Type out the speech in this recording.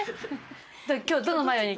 今日どのマヨに？